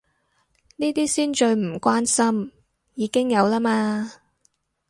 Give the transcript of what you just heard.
呢啲先最唔關心，已經有啦嘛